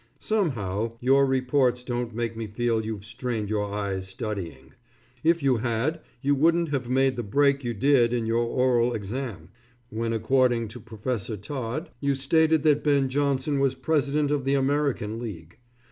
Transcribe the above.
Somehow, your reports don't make me feel you've strained your eyes studying. If you had, you wouldn't have made the break you did in your oral English exam. when according to Professor Todd you stated that Ben Johnson was president of the American League.